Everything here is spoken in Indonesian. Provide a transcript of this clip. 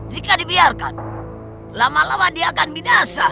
jika dibiarkan lama lama dia akan binasa